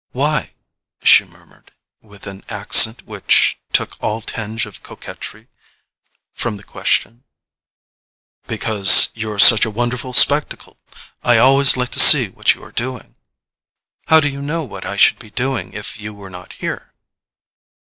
"Why?" she murmured, with an accent which took all tinge of coquetry from the question. "Because you're such a wonderful spectacle: I always like to see what you are doing." "How do you know what I should be doing if you were not here?"